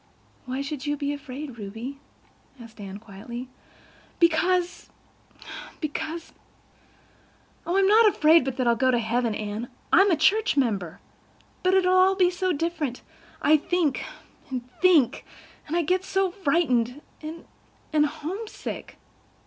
"Why should you be afraid, Ruby?" asked Anne quietly. "Because—because—oh, I'm not afraid but that I'll go to heaven, Anne. I'm a church member. But—it'll be all so different. I think—and think—and I get so frightened—and—and—homesick.